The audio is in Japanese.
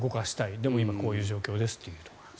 でも今、こういう状況ですということです。